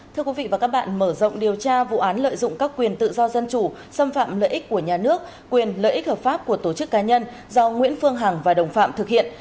thưa quý vị và các bạn mở rộng điều tra vụ án lợi dụng các quyền tự do dân chủ xâm phạm lợi ích của nhà nước quyền lợi ích hợp pháp của tổ chức cá nhân do nguyễn phương hằng và đồng phạm thực hiện